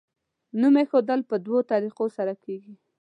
نوم ایښودل په دوو طریقو سره کیږي.